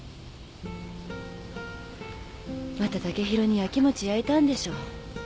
また剛洋にやきもちやいたんでしょ。